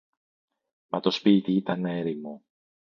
Μα το σπίτι ήταν έρημο